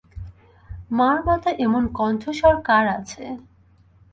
মার মতো এমন কণ্ঠস্বর কার আছে!